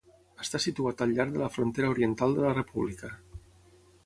Està situat al llarg de la frontera oriental de la república.